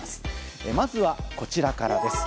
まずはこちらからです。